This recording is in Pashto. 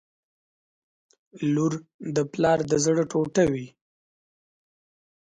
• لور د پلار د زړه ټوټه وي.